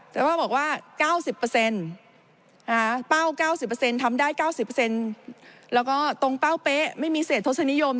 แต่ว่าบอกว่า๙๐เป้า๙๐ทำได้๙๐แล้วก็ตรงเป้าเป๊ะไม่มีเศษทศนิยม